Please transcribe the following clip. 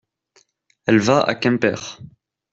Elle va à Quimper.